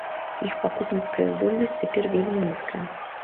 Іх пакупніцкая здольнасць цяпер вельмі нізкая.